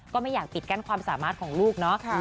ก็ไม่อยากปิดกั้นความสามารถของลูกเนาะ